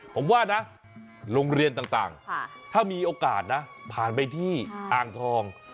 ผมว่านะโรงเรียนต่างถ้ามีโอกาสนะผ่านไปที่อ่างทอง